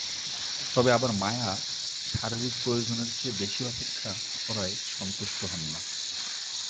তবে আবার মায়া শারীরিক প্রয়োজনের চেয়ে বেশি অপেক্ষা করায় সন্তুষ্ট হন না।